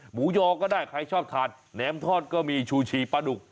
ยอก็ได้ใครชอบทานแหนมทอดก็มีชูชีปลาดุก